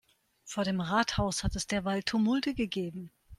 Vor dem Rathaus hat es derweil Tumulte gegeben.